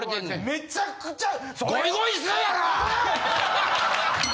めちゃくちゃ。